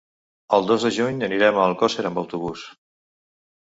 El dos de juny anirem a Alcosser amb autobús.